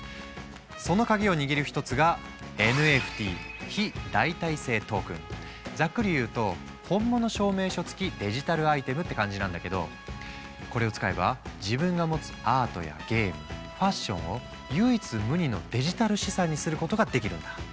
その鍵を握る一つがざっくり言うと本物証明書付きデジタルアイテムって感じなんだけどこれを使えば自分が持つアートやゲームファッションを唯一無二のデジタル資産にすることができるんだ。